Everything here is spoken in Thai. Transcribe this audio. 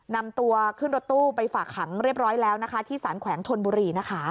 นำตัวขึ้นรถตู้ไปฝากขังเรียบร้อยแล้วนะคะที่สารแขวงธนบุรีนะคะ